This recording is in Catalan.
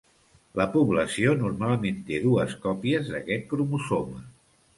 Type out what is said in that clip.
La població normalment té dues còpies d'aquest cromosoma.